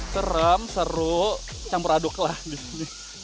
serem seru campur aduk lah disini